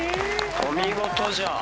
お見事じゃ！